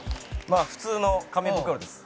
普通の紙袋です。